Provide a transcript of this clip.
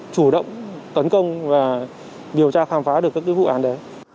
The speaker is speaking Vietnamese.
chủ động tấn công và điều tra khám phá được các vụ án đấy